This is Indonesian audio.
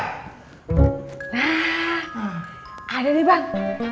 nah ada nih bang